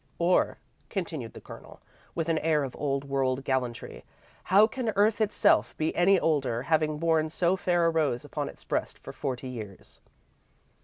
"Or," continued the Colonel, with an air of old world gallantry, "how can earth itself be any older, having borne so fair a rose upon its breast for forty years?"